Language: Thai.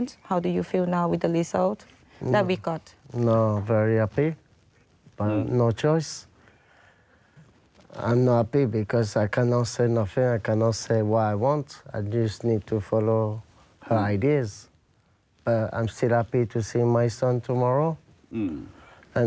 คุณพ่อรู้สึกอย่างไรบ้าง